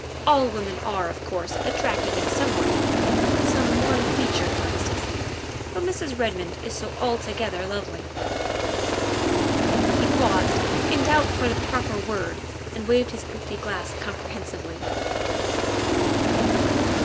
All women are, of course, attractive in some way, some one feature, for instance, but Mrs. Redmond is so altogether lovely " He paused in doubt for the proper word and waved his empty glass comprehensively.